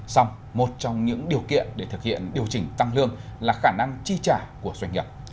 xong một trong những điều kiện để thực hiện điều chỉnh tăng lương là khả năng chi trả của doanh nghiệp